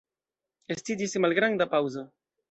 Estiĝis malgranda paŭzo.